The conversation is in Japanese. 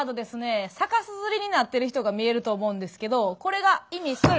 逆さづりになってる人が見えると思うんですけどこれが意味する。